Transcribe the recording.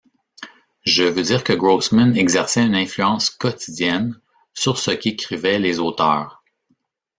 Je veux dire que Grossman exerçait une influence quotidienne sur ce qu’écrivaient les auteurs.